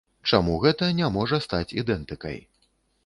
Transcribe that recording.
Чаму гэта не можа стаць ідэнтыкай.